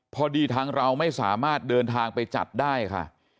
พอดีทางเราไม่สามารถเดินทางไปจัดได้ค่ะ